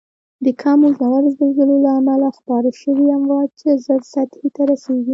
د کمو ژورو زلزلو له امله خپاره شوی امواج زر سطحې ته رسیږي.